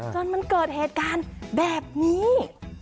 จนมันเกิดเหตุการณ์แบบนี้